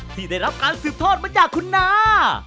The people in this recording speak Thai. ที่ได้รับการสืบทอดมาจากคุณน้า